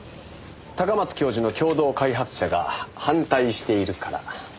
高松教授の共同開発者が反対しているから。